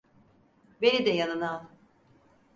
Beni de yanına al.